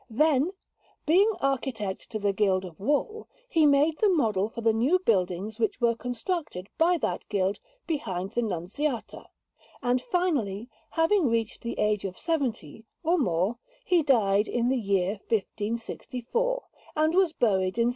Then, being architect to the Guild of Wool, he made the model for the new buildings which were constructed by that Guild behind the Nunziata; and, finally, having reached the age of seventy or more, he died in the year 1564, and was buried in S.